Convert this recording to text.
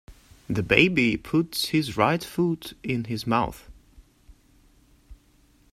The baby puts his right foot in his mouth.